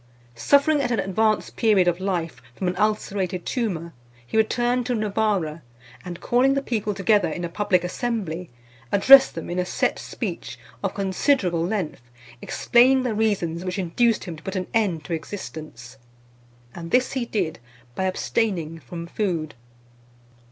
Suffering, at an advanced period of life, from an ulcerated tumour, he returned to Novara, and calling the people together in a public assembly, addressed them in a set speech, of considerable length, explaining the reasons which induced him to put an end to existence: and this he did by abstaining from food.